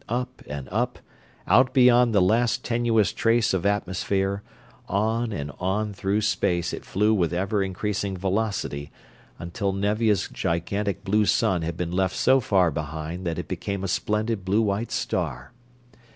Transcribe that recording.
Up and up, out beyond the last tenuous trace of atmosphere, on and on through space it flew with ever increasing velocity until Nevia's gigantic blue sun had been left so far behind that it became a splendid blue white star.